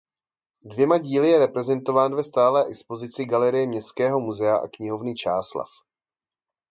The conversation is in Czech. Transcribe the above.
Dvěma díly je reprezentován ve stálé expozici galerie Městského muzea a knihovny Čáslav.